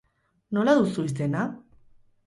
Nola duzu izena?